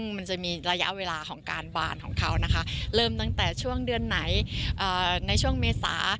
มันจะมีระยะเวลาของการบานของเขานะคะเริ่มตั้งแต่ช่วงเดือนไหนในช่วงเมษา